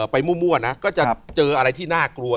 มั่วนะก็จะเจออะไรที่น่ากลัว